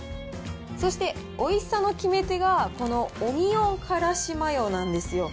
そしておいしさの決め手が、このオニオンからしマヨなんですよ。